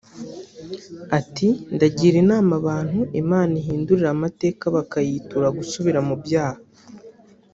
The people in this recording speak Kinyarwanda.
Ati”Ndagira inama abantu Imana ihindurira amateka bakayitura gusubira mu byaha